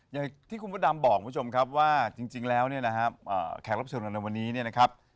อย่างที่คุณพระดำบอกคุณผู้ชมครับว่าจริงแล้วเนี่ยนะครับแขกรับเชิญเราในวันนี้เนี่ยนะครับ